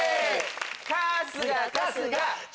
春日春日！